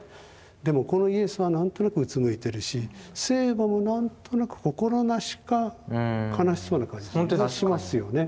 でもこのイエスは何となくうつむいてるし聖母も何となく心なしか悲しそうな感じもしますよね。